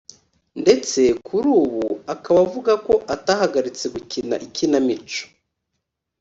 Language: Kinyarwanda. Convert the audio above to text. ndetse kuri ubu akaba avuga ko atahagaritse gukina ikinamico